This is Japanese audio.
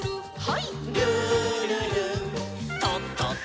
はい。